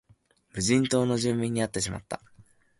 無人島の住民に会ってしまった